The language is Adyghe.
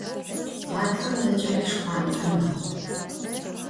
Ğatxem zeç'eri şşxhuant'e mexhu.